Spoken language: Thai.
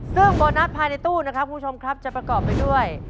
ซึ่งโบนัสภายในตู้นะครับคุณผู้ชมครับจะประกอบไปด้วย